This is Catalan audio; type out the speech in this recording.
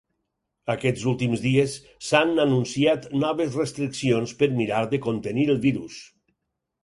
Aquests últims dies, s’han anunciat noves restriccions per mirar de contenir el virus.